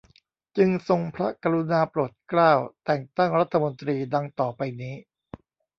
จึงทรงพระกรุณาโปรดเกล้า แต่งตั้งรัฐมนตรี ดังต่อไปนี้